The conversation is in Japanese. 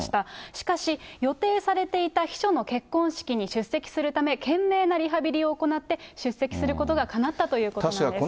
しかし、予定されていた秘書の結婚式に出席するため、懸命なリハビリを行って、出席することがかなったということなんです。